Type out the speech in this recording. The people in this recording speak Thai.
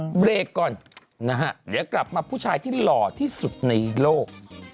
เบรกก่อนนะฮะเดี๋ยวกลับมาผู้ชายที่หล่อที่สุดในโลก